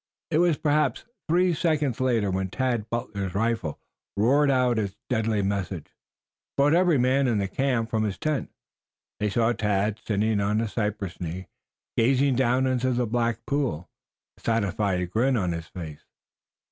It was perhaps three seconds later when Tad Butler's rifle, roaring out its deadly message, brought every man in the camp from his tent. They saw Tad sitting on a cypress knee, gazing down into the black pool, a satisfied grin on his face.